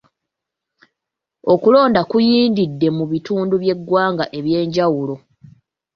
Okulonda kuyindidde mu bitundu by'eggwanga ebyenjawulo.